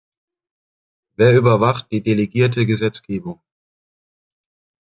Wer überwacht die delegierte Gesetzgebung?